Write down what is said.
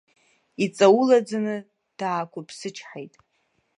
Иҵаулаӡаны даақәыԥсычҳаит.